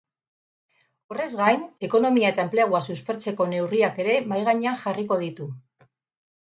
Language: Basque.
Horrez gain, ekonomia eta enplegua suspertzeko neurriak ere mahai gainean jarriko ditu.